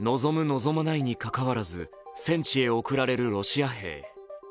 望まないにかかわらず戦地へ送られるロシア兵。